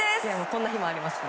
こんな日もあります。